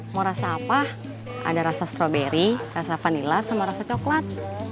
mau rasa apa ada rasa stroberi rasa vanila sama rasa coklat